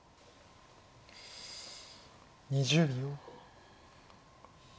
２０秒。